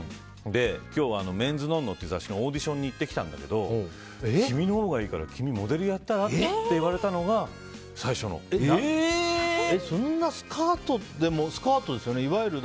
今日、「メンズノンノ」っていう雑誌のオーディションに行ってきたんだけど君のほうがいいから君モデルやったら？って言われたのがスカウトですよね。